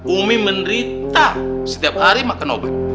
umi menderita setiap hari makan obat